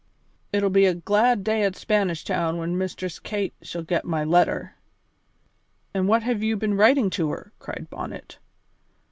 "It'll be a glad day at Spanish Town when Mistress Kate shall get my letter." "And what have you been writing to her?" cried Bonnet.